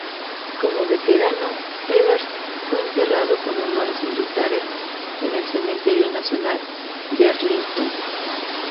Como veterano, Evers fue enterrado con honores militares en el cementerio nacional de Arlington.